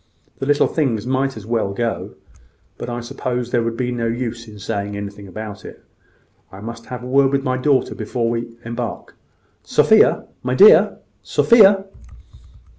The little things might as well go; but I suppose there would be no use in saying anything about it. I must have a word with my daughter before we embark. Sophia, my dear! Sophia!"